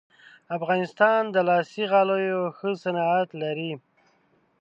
افغانستان د لاسي غالیو ښه صنعت لري